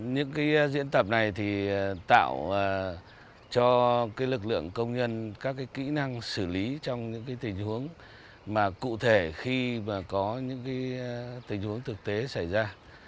những diễn tập này tạo cho lực lượng công nhân các kỹ năng xử lý trong những tình huống cụ thể khi có những tình huống thực tế xảy ra